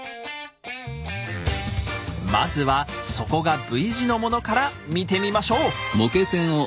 まずは底がＶ字のものから見てみましょう。